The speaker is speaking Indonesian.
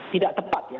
tidak tepat ya